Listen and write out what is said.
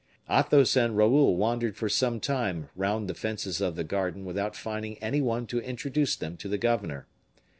Athos and Raoul wandered for some time round the fences of the garden without finding any one to introduce them to the governor.